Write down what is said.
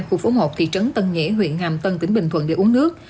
khu phố một thị trấn tân nghĩa huyện hàm tân tỉnh bình thuận để uống nước